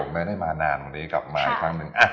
ไม่ได้มานานวันนี้กลับมาอีกครั้งหนึ่ง